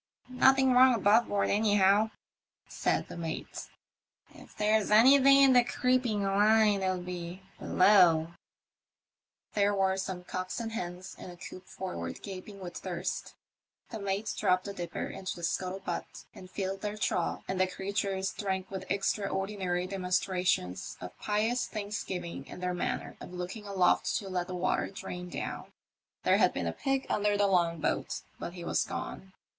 "Nothing wrong above board anyhow," said the mate ;" if there's anything in the creeping line it'll be below." There were some cocks and hens in a coop forward gaping with thirst. The mate dropped the dipper into the scuttle butt and flUed their trough, and the crea tures drank with extraordinary demonstrations of pious thanksgiving in their manner of looking aloft to let the water drain down. There had been a pig under the long boat, but he was gone.